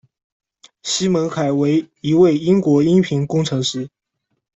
西蒙·凯为一位英国音频工程师。